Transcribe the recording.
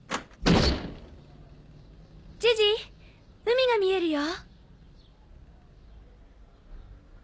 ジジ海が見えるよ。